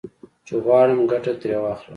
چې غواړم ګټه ترې واخلم.